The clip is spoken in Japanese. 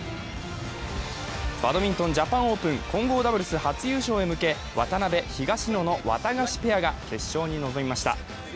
バドミントンジャパンオープン、今号ダブルス初優勝へ向け、渡辺・東野のワタガシペアが決勝に臨みました。